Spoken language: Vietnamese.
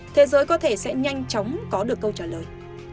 thế giới có thể sẽ nhanh chóng có được câu trả lời